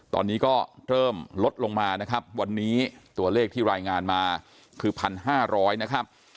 ตอนนี้ก็เริ่มลดลงมานะครับวันนี้ตัวเลขที่รายงานมาคือ๑๕๐๐นะครับ